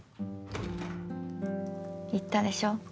言ったでしょ？